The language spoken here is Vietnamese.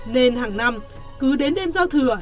nên hàng năm cứ đến đêm giao thừa